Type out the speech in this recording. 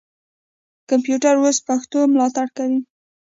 کمپیوټر اوس پښتو ملاتړ کوي.